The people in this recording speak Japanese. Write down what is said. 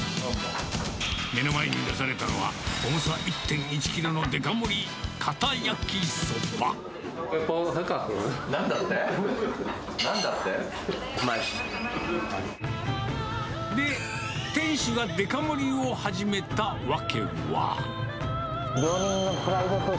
目の前に出されたのは、重さ１．１キロのデカ盛り、食リポ。